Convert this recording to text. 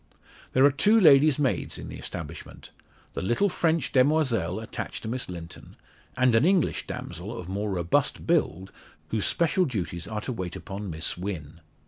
There are two lady's maids in the establishment; the little French demoiselle attached to Miss Linton, and an English damsel of more robust build, whose special duties are to wait upon Miss Wynn.